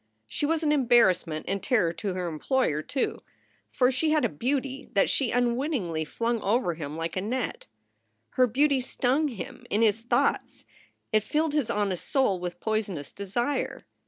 She was an embarrassment and terror to her employer, too; for she had a beauty that she unwittingly flung over him like a net. Her beauty stung him in his thoughts. It filled his honest soul with poisonous desire.